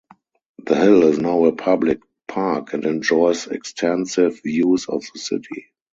The hill is now a public park and enjoys extensive views of the city.